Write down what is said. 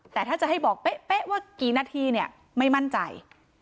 แต่ถ้าจะให้บอกเป๊ะว่ากี่นาทีเนี่ยไม่มั่นใจ